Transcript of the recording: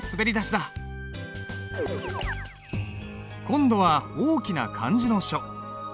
今度は大きな漢字の書。